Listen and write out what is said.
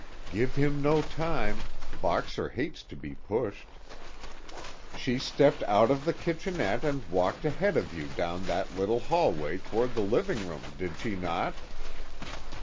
Give him no time Boxer hates to be pushed. "She stepped out of the kitchenette and walked ahead of you down that little hallway toward the living room, did she not?"